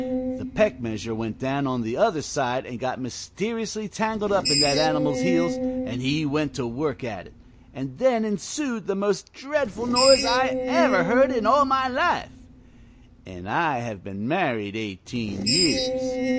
The peck measure went down on the other side, and got mysteriously tangled up in that animal's heels, and he went to work at it, and then ensued the most dreadful noise I ever heard in all my life, and I have been married eighteen years.